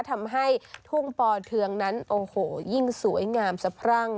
ทำให้ทุ่งปอเทืองนั้นโอ้โหยิ่งสวยงามสะพรั่ง